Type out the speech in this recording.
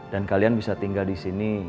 dan kalian bisa tinggal disini